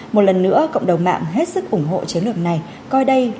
một lần nữa cộng đồng mạng hết sức ủng hộ chiến lược này